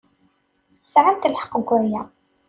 Tesɛamt lḥeqq deg waya.